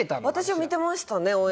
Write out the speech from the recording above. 私は見てましたね